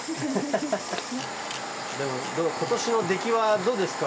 でも今年の出来はどうですか？